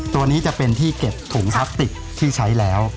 ตัวนี้จะเป็นที่เก็บถุงพลาสติกที่ใช้แล้ว